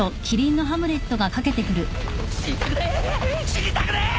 死にたくねえ！